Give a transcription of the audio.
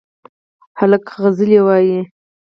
هلک سندرې وايي